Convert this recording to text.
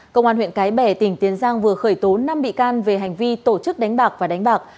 công an huyện cái bè tỉnh tiền giang vừa khởi tố năm bị can về hành vi tổ chức đánh bạc và đánh bạc